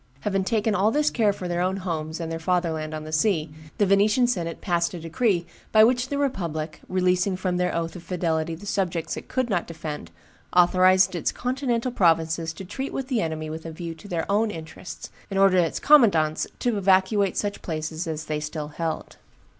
Having taken all this care for their own homes and their fatherland on the sea, the Venetian senate passed a decree by which the republic, releasing from their oath of fidelity the subjects it could not defend, authorized its continental provinces to treat with the enemy with a view to their own interests, and ordered its commandants to evacuate such places as they still held.